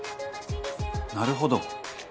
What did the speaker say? なるほど。